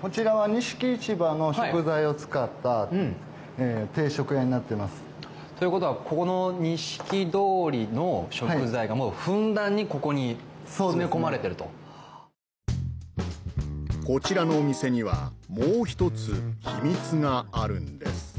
こちらは錦市場の食材を使った定食屋になってますということはこの錦通りの食材がもうふんだんにここに詰め込まれてるとこちらのお店にはもうひとつ秘密があるんです